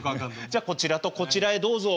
じゃこちらとこちらへどうぞ。